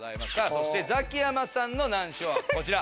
そしてザキヤマさんの難所はこちら。